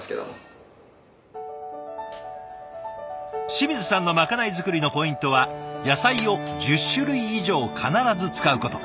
清水さんのまかない作りのポイントは野菜を１０種類以上必ず使うこと。